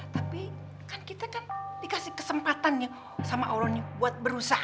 tapi kan kita dikasih kesempatan sama allah buat berusaha